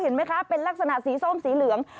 เห็นไหมคะเป็นลักษณะสีส้มสีเหลือง